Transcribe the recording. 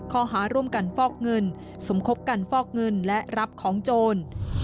ข้อหาร่วมกันฟอกเงินสมคบกันฟอกเงินและรับของโจร